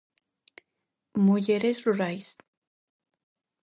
Mulleres rurais.